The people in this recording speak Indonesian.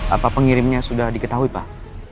apa pengirimnya sudah diketahui pak